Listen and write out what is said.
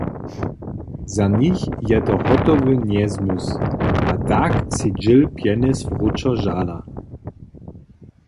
Za nich je to hotowy njezmysł, a tak sej dźěl pjenjez wróćo žada.